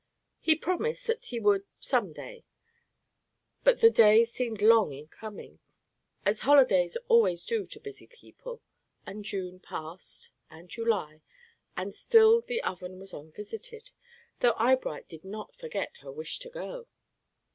He promised that he would "some day," but the day seemed long in coming, as holidays always do to busy people; and June passed, and July, and still the Oven was unvisited, though Eyebright did not forget her wish to go.